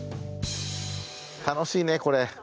楽しいねこれ。